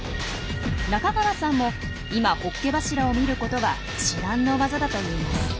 中川さんも今ホッケ柱を見ることは至難の業だと言います。